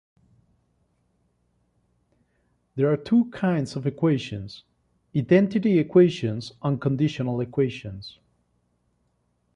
There are two kinds of equations: identity equations and conditional equations.